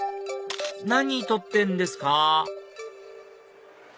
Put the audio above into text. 何撮ってんですか？